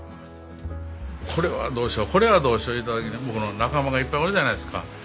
これはどうしようこれはどうしよういうた時に僕の仲間がいっぱいおるじゃないですか。